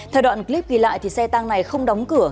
theo đoạn clip ghi lại thì xe tăng này không đóng cửa